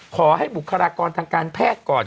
ขอให้บุคลากรทางการแพทย์ก่อน